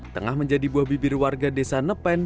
tengah menjadi buah bibir warga desa nepen